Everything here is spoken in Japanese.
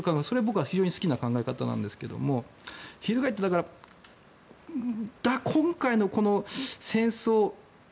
それは僕は非常に好きな考え方なんですけど翻って今回の戦争